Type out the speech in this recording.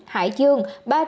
hải dương ba trăm bảy mươi ba